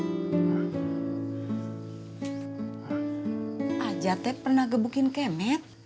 hah ajatnya pernah gebukin kemet